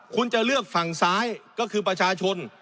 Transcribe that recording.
คุณจะเลือกฝั่งซ้ายก็คือประชาชน